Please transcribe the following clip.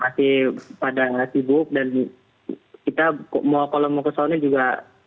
masih pada sibuk dan kita kalau mau ke sana juga